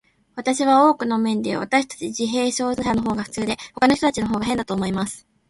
私は、多くの面で、私たち自閉症者のほうが普通で、ほかの人たちのほうが変だと思います。